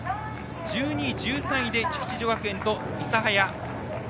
１２位、１３位で筑紫女学園と諫早。